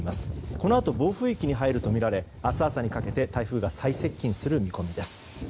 このあと暴風域に入るとみられ明日朝にかけて台風が最接近する見込みです。